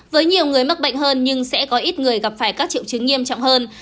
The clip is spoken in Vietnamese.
với nhiều người mắc bệnh hơn nhưng sẽ có ít người gặp phải các triệu chứng nghiêm trọng hơn